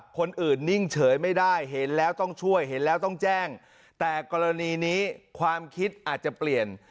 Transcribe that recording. คนอื่นนิ่งเฉยไม่ได้เห็นแล้วต้องช่วยเห็นแล้วต้องแจ้งแต่กรณีนี้ความคิดอาจจะเปลี่ยน